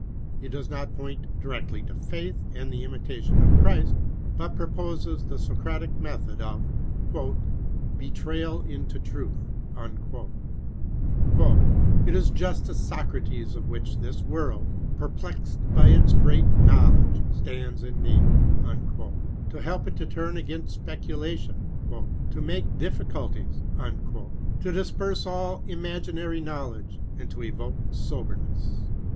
he does not point directly to faith and the imitation of Christ, but proposes the Socratic method of ''betrayal mto truth." " It is just a Socrates of which this world, perplexed by its great knowledge, stands in need," to help it to turn against speculation, " to make difficulties, " to disperse all imag inary knowledge, and to evoke soberness.